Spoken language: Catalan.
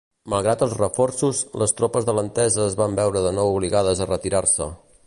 Malgrat els reforços, les tropes de l'Entesa es van veure de nou obligades a retirar-se.